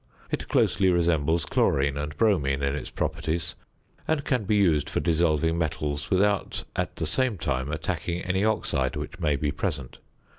It closely resembles chlorine and bromine in its properties, and can be used for dissolving metals without, at the same time, attacking any oxide which may be present.